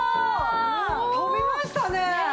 飛びましたね。